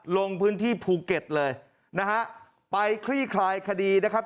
ลงพื้นที่ภูเก็ตเลยนะฮะไปคลี่คลายคดีนะครับ